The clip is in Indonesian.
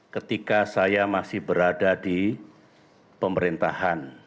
ketika saya masih berada di pemerintahan